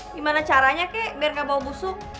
gimana caranya kek biar gak bau busuk